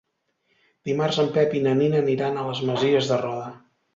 Dimarts en Pep i na Nina aniran a les Masies de Roda.